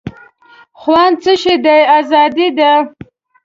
خوند څه شی دی آزادي ده.